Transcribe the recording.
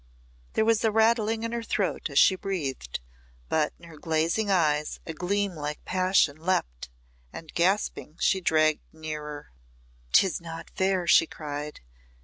There was a rattling in her throat as she breathed, but in her glazing eyes a gleam like passion leaped, and gasping, she dragged nearer. "'Tis not fair," she cried.